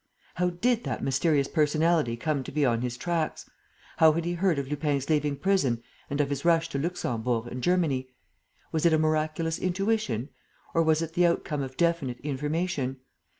How did that mysterious personality come to be on his tracks? How had he heard of Lupin's leaving prison and of his rush to Luxemburg and Germany? Was it a miraculous intuition? Or was it the outcome of definite information?